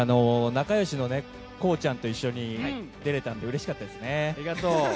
仲よしのこうちゃんと一緒に出れたのでうれしかったです。